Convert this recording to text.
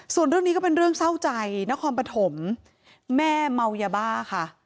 ส่วนเรื่องนี้ก็เป็นเรื่องเศร้าใจนครปฐมแม่เมายาบ้าค่ะ